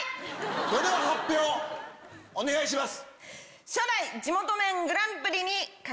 それでは発表お願いします。